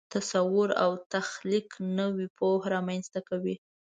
تصور او تخلیق نوې پوهه رامنځته کوي.